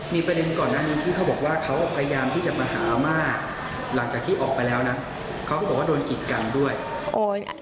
มีประเด็นก่อนหน้านี้ที่เขาบอกว่าเขาพยายามที่จะมาหาอาม่าหลังจากที่ออกไปแล้วนะเขาก็บอกว่าโดนกิจกันด้วยโอ้ย